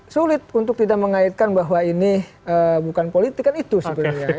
sulit untuk tidak mengaitkan bahwa ini bukan politik kan itu sebetulnya